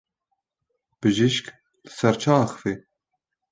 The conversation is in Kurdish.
Bijîşk li ser çi axivî?